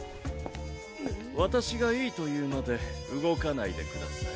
私がいいと言うまで動かないでください。